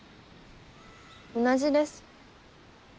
同じです。